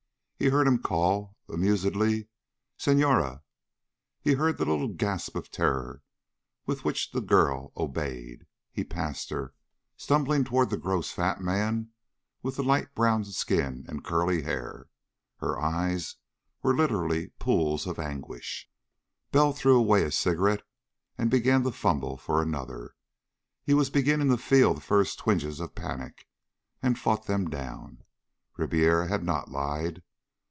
He heard him call, amusedly, "Senhora." He heard the little gasp of terror with which the girl obeyed. He passed her, stumbling toward the gross fat man with the light brown skin and curly hair. Her eyes were literally pools of anguish. Bell threw away his cigarette and began to fumble for another. He was beginning to feel the first twinges of panic, and fought them down. Ribiera had not lied.